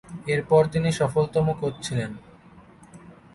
এরপর তিনি সফলতম কোচ ছিলেন।